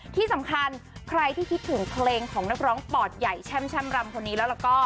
ที่สำคัญใครที่คิดถึงเพลงของนักร้องปอดใหญ่แช่มรำคนนี้แล้วก็